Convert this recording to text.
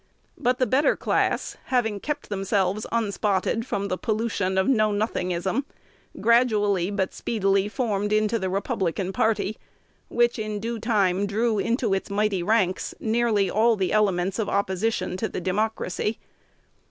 But the better class, having kept themselves unspotted from the pollution of Know Nothingism, gradually but speedily formed the Republican party, which in due time drew into its mighty ranks nearly all the elements of opposition to the Democracy.